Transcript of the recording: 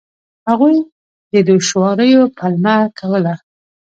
هغوی د دوشواریو پلمه کوله.